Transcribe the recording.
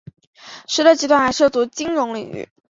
实德集团还涉足金融领域。